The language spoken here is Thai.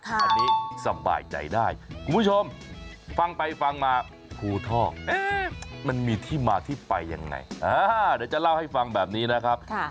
อันนี้สบายใจได้คุณผู้ชมฟังไปฟังมาภูทอกมันมีที่มาที่ไปยังไงเดี๋ยวจะเล่าให้ฟังแบบนี้นะครับ